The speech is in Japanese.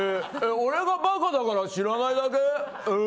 俺が馬鹿だから知らないだけ？